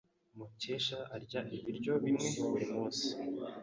Mukesha arya ibiryo bimwe buri munsi.